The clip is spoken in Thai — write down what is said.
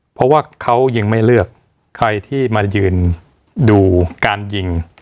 เพราะว่าเขายิงไม่เลือกใครที่มายืนดูการยิง